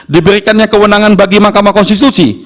diberikannya kewenangan bagi mahkamah konstitusi